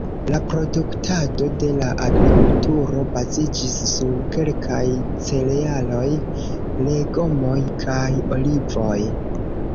La produktado de la agrikulturo baziĝis sur kelkaj cerealoj, legomoj kaj olivoj.